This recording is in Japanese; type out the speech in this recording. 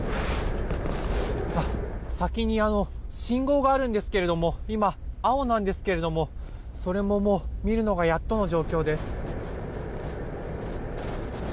先に信号があるんですが今、青なんですけどもそれももう見るのがやっとの状況です。